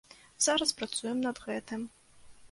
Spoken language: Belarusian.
Зараз працуем над гэтым.